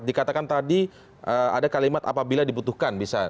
dikatakan tadi ada kalimat apabila dibutuhkan bisa